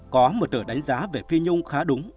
có một từ đánh giá về phi nhung khá đúng